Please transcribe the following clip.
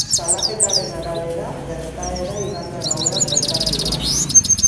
Salaketaren arabera, gertaera igande gauean gertatu da.